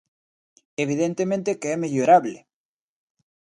Evidentemente que é mellorable.